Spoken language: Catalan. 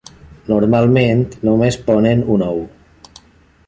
Normalment només ponen un ou.